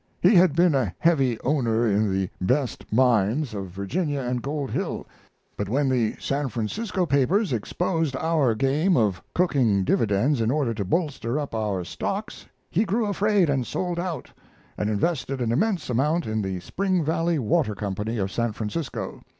He had been a heavy owner in the best mines of Virginia and Gold Hill, but when the San Francisco papers exposed our game of cooking dividends in order to bolster up our stocks he grew afraid and sold out, and invested an immense amount in the Spring Valley Water Company, of San Francisco.